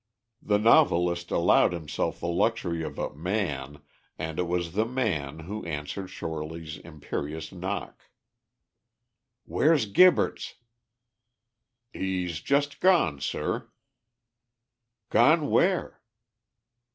The novelist allowed himself the luxury of a "man," and it was the "man" who answered Shorely's imperious knock. "Where's Gibberts?" "He's just gone, sir." "Gone where?"